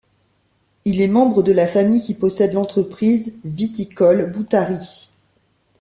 Il est membre de la famille qui possède l'entreprise viticole Boutari.